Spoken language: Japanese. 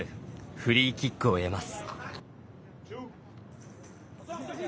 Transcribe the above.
フリーキックを得ます。